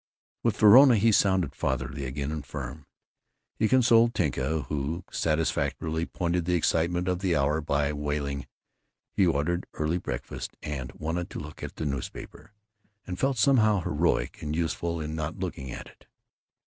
With Verona he sounded fatherly again, and firm. He consoled Tinka, who satisfactorily pointed the excitement of the hour by wailing. He ordered early breakfast, and wanted to look at the newspaper, and felt somehow heroic and useful in not looking at it.